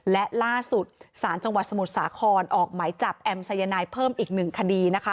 และล่าสุดสารจังหวัดสมุทรสาครออกหมายจับแอมสายนายเพิ่มอีกหนึ่งคดีนะคะ